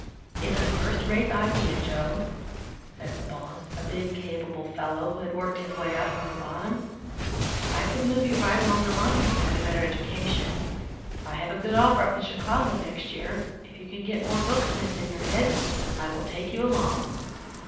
"It's a first rate idea, Joe," said the boss, a big, capable fellow who had worked his way up from the bottom. "I could move you right along the line if you had a better education. I have a good offer up in Chicago next year; if you can get more book sense in your head, I will take you along."